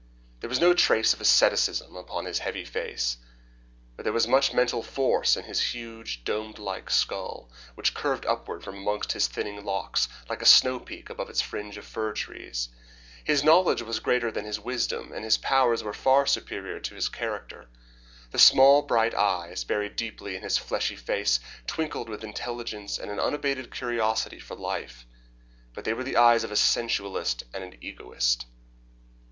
There was no trace of asceticism upon his heavy face, but there was much mental force in his huge, dome like skull, which curved upward from amongst his thinning locks, like a snowpeak above its fringe of fir trees. His knowledge was greater than his wisdom, and his powers were far superior to his character. The small bright eyes, buried deeply in his fleshy face, twinkled with intelligence and an unabated curiosity of life, but they were the eyes of a sensualist and an egotist.